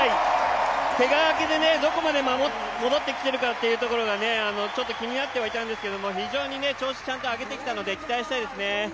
けが明けでどこまで戻ってきているかがちょっと気になってはいたんですけど非常に調子をちゃんと上げてきたので期待したいですね。